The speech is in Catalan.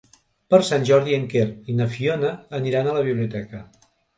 Per Sant Jordi en Quer i na Fiona aniran a la biblioteca.